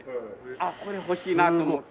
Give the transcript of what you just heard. ああこれ欲しいなと思って。